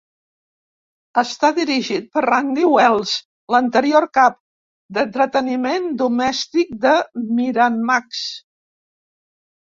Està dirigit per Randy Wells, l'anterior cap d'entreteniment domèstic de Miramax.